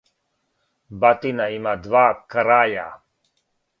Батина има два краја.